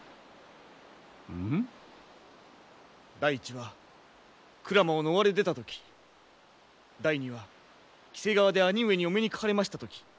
第一は鞍馬を逃れ出た時第二は黄瀬川で兄上にお目にかかれました時。